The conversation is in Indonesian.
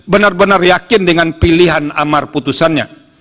benar benar yakin dengan pilihan amar putusannya